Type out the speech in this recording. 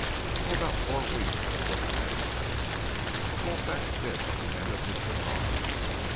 "Oh, about four weeks, or a little less." Colfax bit at the end of his cigar.